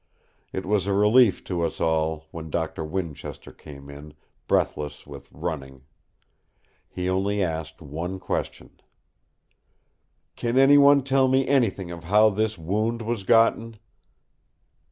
It was a relief to us all when Doctor Winchester came in, breathless with running. He only asked one question: "Can anyone tell me anything of how this wound was gotten?"